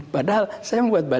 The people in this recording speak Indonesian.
padahal saya membuat badan